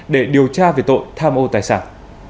để điều tra về tội tham ô tài sản